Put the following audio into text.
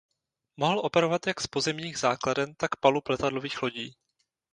Mohl operovat jak z pozemních základen tak palub letadlových lodí.